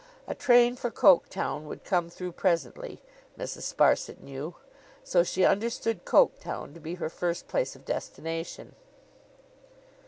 A train for Coketown would come through presently, Mrs. Sparsit knew; so she understood Coketown to be her first place of destination.